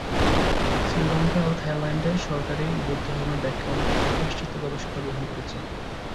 শ্রীলঙ্কা ও থাইল্যান্ডে ‘সরকারি’ বৌদ্ধধর্মের ব্যাখ্যা অনেকাংশে পাশ্চাত্য গবেষকরা গ্রহণ করেছেন।